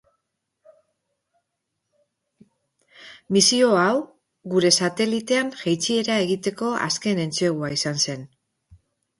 Misio hau gure satelitean jaitsiera egiteko azken entsegua izan zen.